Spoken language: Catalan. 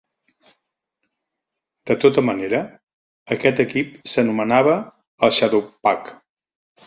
De tota manera, aquest equip s'anomenava el Shadowpact.